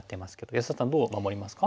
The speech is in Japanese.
安田さんどう守りますか？